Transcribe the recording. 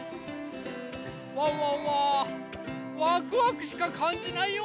ワンワンはワクワクしかかんじないよ！